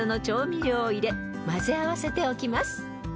調味料を入れ混ぜ合わせておきます］